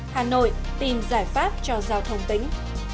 hà nội tìm giải pháp cho giao thông tính